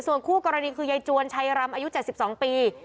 ส่วนคู่กรณีคือยายจวนชัยรำอายุ๗๒ปี